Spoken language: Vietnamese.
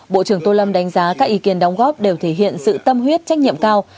bộ trưởng tô lâm đánh giá các ý kiến đóng góp đều thể hiện sự tâm huyết trách nhiệm cao